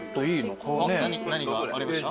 何がありました？